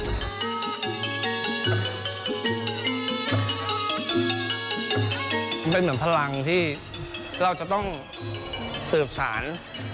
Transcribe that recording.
มันเป็นเหมือนพลังที่เราจะต้องสืบสาร